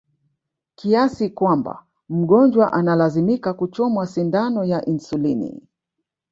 kiasi kwamba mgonjwa analazimika kuchomwa sindano ya insulini